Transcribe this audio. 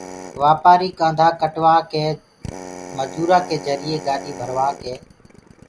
واپآري ڪآندآ ڪٽوآڪي مجورآن جريئي گاڏي ڀروآڪي